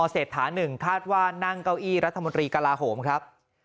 เศรษฐา๑คาดว่านั่งเก้าอี้รัฐมนตรีกลาโหมครับ